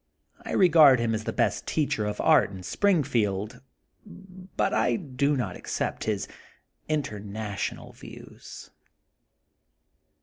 I regard him as the best teacher of art in Springfield, but I do not accept his international views.